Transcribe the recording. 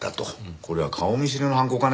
これは顔見知りの犯行かね？